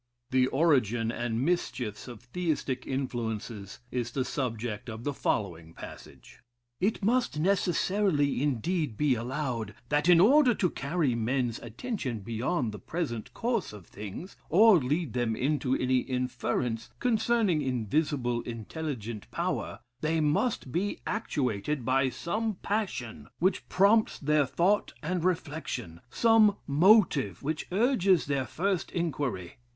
The origin and mischiefs of Theistic influences is the subject of the following passage: "It must necessarily, indeed, be allowed, that in order to carry men's attention beyond the present course of things, or lead them into any inference concerning invisible intelligent power, they must be actuated by some passion which prompts their thought and reflection, some motive which urges their first inquiry.